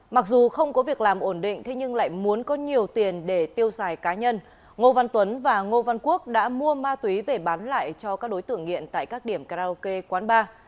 mặc dù không có việc làm ổn định thế nhưng lại muốn có nhiều tiền để tiêu xài cá nhân ngô văn tuấn và ngô văn quốc đã mua ma túy về bán lại cho các đối tượng nghiện tại các điểm karaoke quán bar